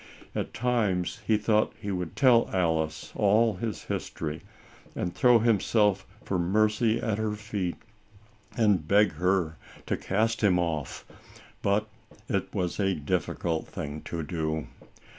At times he thought he would tell Alice all his history, and throw himself for mercy at her feet, and beg her to cast him off; but it was a difficult thing to do.